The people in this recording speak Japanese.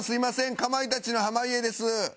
かまいたちの濱家です。